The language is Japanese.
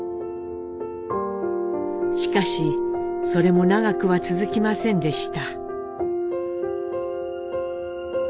しかしそれも長くは続きませんでした。